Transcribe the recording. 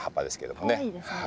かわいいですね。